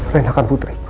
rena kan putriku